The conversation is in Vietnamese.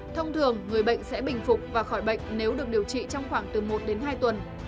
thông thường người bệnh sẽ bình phục và khỏi bệnh nếu được điều trị trong khoảng từ một đến hai tuần